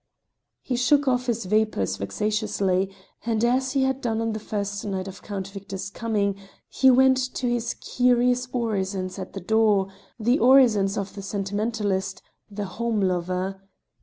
He shook off his vapours vexatiously, and, as he had done on the first night of Count Victor's coming, he went to his curious orisons at the door the orisons of the sentimentalist, the home lover.